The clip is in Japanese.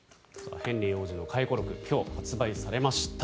ヘンリー王子の回顧録今日発売されました。